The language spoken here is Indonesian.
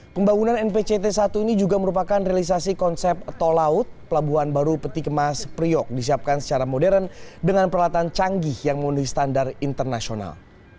pembangunan npct satu ini juga merupakan realisasi konsep tol laut pelabuhan baru peti kemas priok disiapkan secara modern dengan peralatan canggih yang memenuhi standar internasional